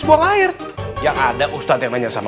kamar mandi toilet